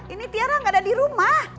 ini tiara gak ada di rumah